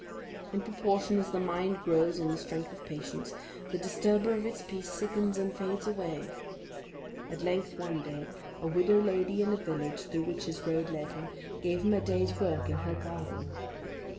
In proportion as the mind grows in the strength of patience, the disturber of its peace sickens and fades away. At length, one day, a widow lady in a village through which his road led him, gave him a day's work in her garden.